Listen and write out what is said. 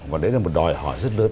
và đấy là một đòi hỏi rất lớn